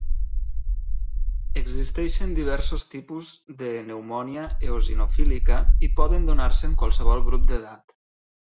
Existeixen diversos tipus de pneumònia eosinofílica i poden donar-se en qualsevol grup d'edat.